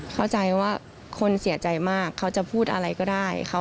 เข้าใจว่าคนเสียใจมากเขาจะพูดอะไรก็ได้